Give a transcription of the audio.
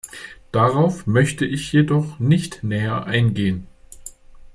Darauf möchte ich jedoch nicht näher eingehen.